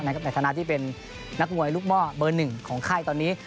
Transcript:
ในฐานะที่เป็นนักมวยลูกหม้อเบอร์๑ของค่ายตอนนี้